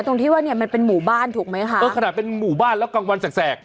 ตรงที่ว่าเนี้ยมันเป็นหมู่บ้านถูกไหมคะเออขนาดเป็นหมู่บ้านแล้วกลางวันแสก